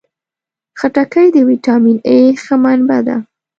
خټکی د ویټامین A ښه منبع ده.